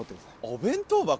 お弁当箱？